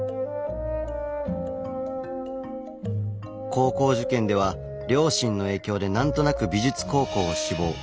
高校受験では両親の影響で何となく美術高校を志望。